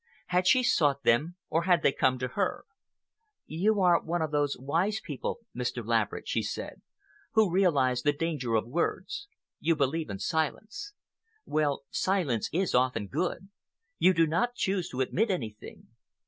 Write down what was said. Had she sought them, or had they come to her? "You are one of those wise people, Mr. Laverick," she said, "who realize the danger of words. You believe in silence. Well, silence is often good. You do not choose to admit anything."